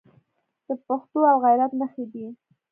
د پښتو او غیرت نښې دي.